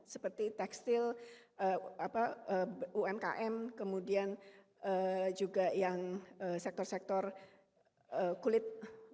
seperti tekstil umkm kemudian juga yang sektor sektor kulit